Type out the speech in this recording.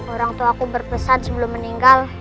orang tua aku berpesan sebelum meninggal